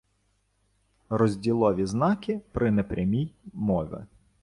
Розділові знаки при непрямій мови